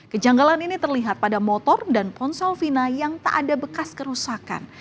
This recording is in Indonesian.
kejanggalan ini terlihat pada motor dan ponsel fina yang tak ada bekas kerusakan